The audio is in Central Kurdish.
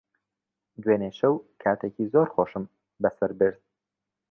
دوێنێ شەو کاتێکی زۆر خۆشم بەسەر برد.